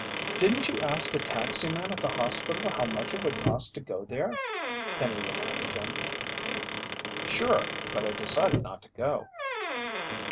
"Didn't you ask a taximan at the hospital how much it would cost to go there?" Penny reminded him. "Sure, but I decided not to go."